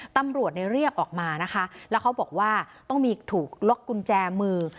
ตำรวจเนี่ยเรียกออกมานะคะแล้วเขาบอกว่าต้องมีถูกล็อกกุญแจมือ